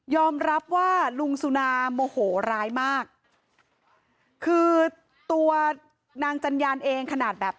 ยอมรับว่าลุงสุนาโมโหรายมาก